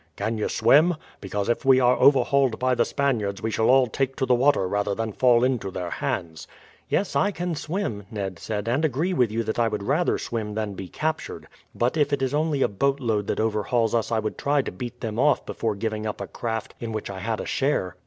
"Can you swim? Because if we are overhauled by the Spaniards we shall all take to the water rather than fall into their hands." "Yes, I can swim," Ned said; "and agree with you that I would rather swim than be captured. But if it is only a boatload that overhauls us I would try to beat them off before giving up a craft in which I had a share."